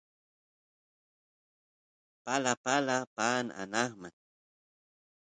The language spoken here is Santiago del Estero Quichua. palapala paan anqman